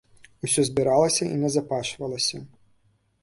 Усё збіралася і назапашвалася.